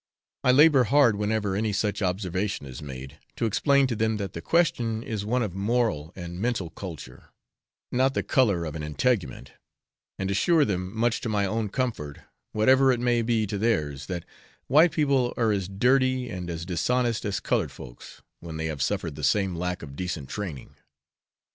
I labour hard, whenever any such observation is made, to explain to them that the question is one of moral and mental culture, not the colour of an integument, and assure them, much to my own comfort, whatever it may be to theirs, that white people are as dirty and as dishonest as coloured folks, when they have suffered the same lack of decent training.